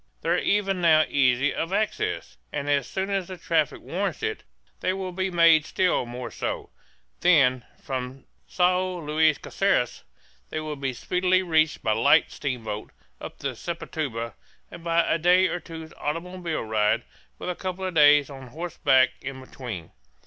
They are even now easy of access; and as soon as the traffic warrants it they will be made still more so; then, from Sao Luis Caceres, they will be speedily reached by light steamboat up the Sepotuba and by a day or two's automobile ride, with a couple of days on horse back in between.